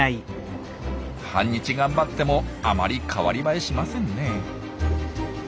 半日頑張ってもあまり代わり映えしませんね。